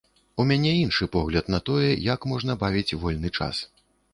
У мяне іншы погляд на тое, як можна бавіць вольны час.